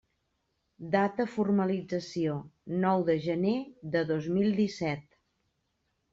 Data formalització: nou de gener de dos mil disset.